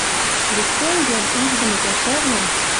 Вет тӹнь йӓл уждымы пӓшӓвлӓм